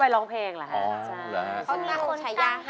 แล้วน้องใบบัวร้องได้หรือว่าร้องผิดครับ